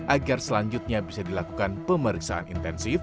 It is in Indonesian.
agar selanjutnya bisa dilakukan pemeriksaan intensif